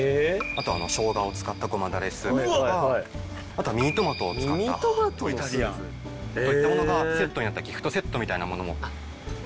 あとしょうがを使ったごまだれスープとかあとはミニトマトを使ったこういったスープといったものがセットになったギフトセットみたいなものもこちら。